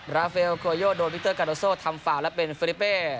ราเฟลโคโยโตโดนวิคเตอร์กาโนโซทำฝ่าและเป็นเฟริปเป้